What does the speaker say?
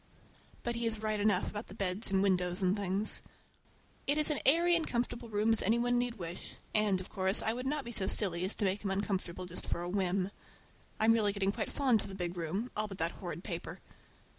But he is right enough about the beds and windows and things. It is as airy and comfortable a room as any one need wish, and, of course, I would not be so silly as to make him uncomfortable just for a whim. I'm really getting quite fond of the big room, all but that horrid paper.